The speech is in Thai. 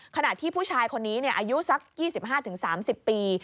ขณะที่ผู้ชายคนนี้อายุสัก๒๕๓๐ปี